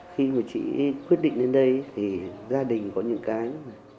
khi mà chị quyết định đến đây thì gia đình có những cái